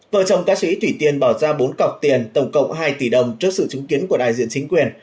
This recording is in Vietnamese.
vợ chồng ca sĩ thủy tiên bỏ ra bốn cọc tiền tổng cộng hai tỷ đồng trước sự chứng kiến của đại diện chính quyền